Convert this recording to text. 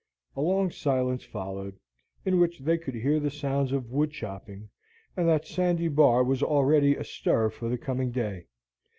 A long silence followed, in which they could hear the sounds of wood chopping, and that Sandy Bar was already astir for the coming day.